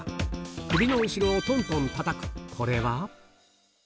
首の後ろをとんとんたたく、これは？